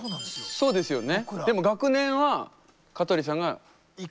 そうですね。